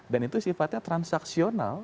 dan itu sifatnya transaksional